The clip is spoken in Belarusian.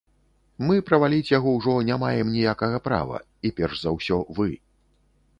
Мы праваліць яго ўжо не маем ніякага права і перш за ўсё вы.